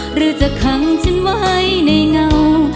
หรือจะขังฉันไว้ในเงา